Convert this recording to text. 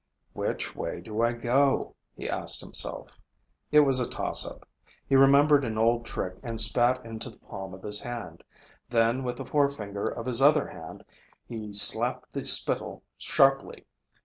"Which way do I go?" he asked himself. It was a tossup. He remembered an old trick and spat into the palm of his hand. Then, with the forefinger of his other hand, he slapped the spittle sharply.